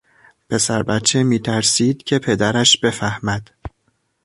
پسر بچه میترسید که پدرش بفهمد